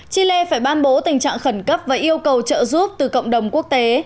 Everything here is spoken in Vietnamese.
chile phải ban bố tình trạng khẩn cấp và yêu cầu trợ giúp từ cộng đồng quốc tế